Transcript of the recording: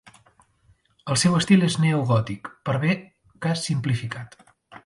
El seu estil és neogòtic, per bé que simplificat.